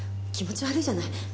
気持ち悪いじゃない。